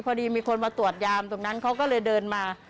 พอดีมีคนมาตรวจยามตรงนั้นเขาก็เลยเดินมา